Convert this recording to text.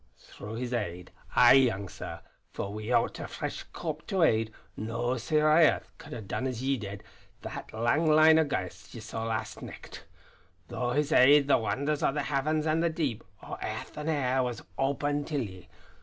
Through his aid aye, young sir for wi'oot a fresh corp to aid, no Seer o' airth could hae seen as ye did, that lang line o' ghaists ye saw last nicht. Through his aid the wonders o' the heavens and the deep, o' airth and air, was opened till ye.